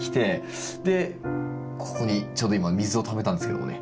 でここにちょうど今水をためたんですけどもね。